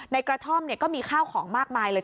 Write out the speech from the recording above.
ในกระท่อมเนี่ยก็มีข้าวของมากมายเลย